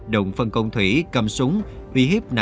động phân công thủy cầm súng huy hiếp nạn nhân